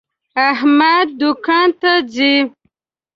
احمد دوکان ته ځي.